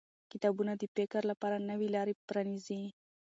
کتابونه د فکر لپاره نوې لارې پرانیزي